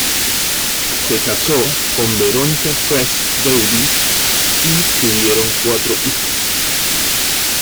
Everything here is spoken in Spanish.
Se casó con Verónica French-Davis y tuvieron cuatro hijos.